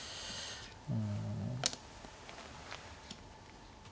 うん。